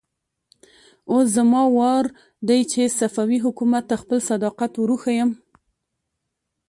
اوس زما وار دی چې صفوي حکومت ته خپل صداقت ور وښيم.